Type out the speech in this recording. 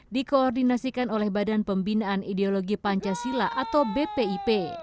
dikoordinasikan oleh badan pembinaan ideologi pancasila atau bpip